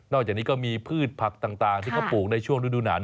อกจากนี้ก็มีพืชผักต่างที่เขาปลูกในช่วงฤดูหนาว